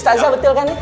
ustadz zaky betul kan